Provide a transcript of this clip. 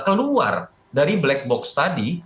keluar dari black box tadi